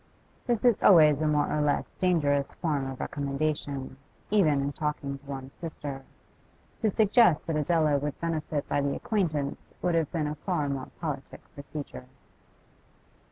This is always a more or less dangerous form of recommendation, even in talking to one's sister. To suggest that Adela would benefit by the acquaintance would have been a far more politic procedure.